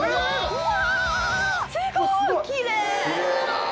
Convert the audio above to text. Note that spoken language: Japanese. うわ。